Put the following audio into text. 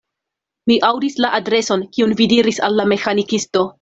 Mi aŭdis la adreson, kiun vi diris al la meĥanikisto.